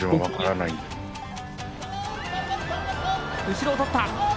後ろをとった。